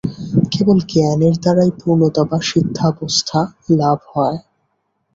কেবল জ্ঞানের দ্বারাই পূর্ণতা বা সিদ্ধাবস্থা লাভ হয়।